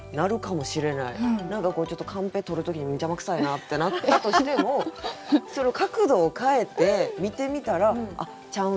何かこうちょっとカンペ取る時に邪魔くさいなってなったとしてもそれを角度を変えて見てみたらあっちゃうんや。